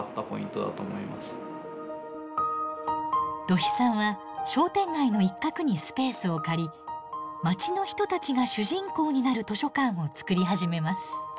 土肥さんは商店街の一角にスペースを借り街の人たちが主人公になる図書館を作り始めます。